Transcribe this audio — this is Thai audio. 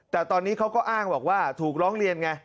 แต่ตอนนี้เขาก็อ้างบอกว่าถูกร้องเรียนไง